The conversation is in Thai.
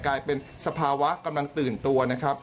กลายเป็นสภาวะกำลังตื่นตัวนะครับ